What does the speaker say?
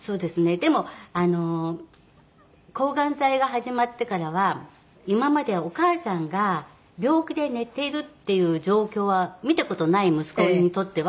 でも抗がん剤が始まってからは今までお母さんが病気で寝てるっていう状況は見た事ない息子にとっては。